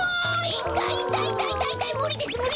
いたいいたいいたいいたいむりですむりです！